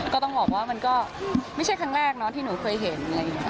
ก็ต้องบอกว่ามันก็ไม่ใช่ครั้งแรกที่หนูเคยเห็น